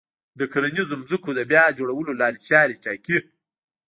و کرنيزو ځمکو د بيا جوړولو لارې چارې ټاکي